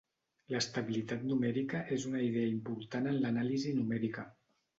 L'estabilitat numèrica és una idea important en l'anàlisi numèrica.